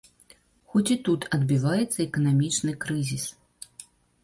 Хоць і тут адбіваецца эканамічны крызіс.